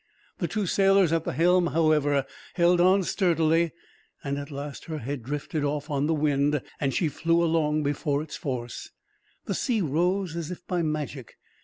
The two sailors at the helm, however, held on sturdily; and at last her head drifted off on the wind, and she flew along before its force. The sea rose as if by magic.